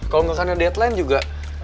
kalau enggak kena deadline juga